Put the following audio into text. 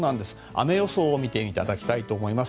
雨予想を見ていただきたいと思います。